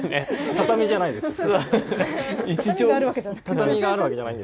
畳じゃないですよね。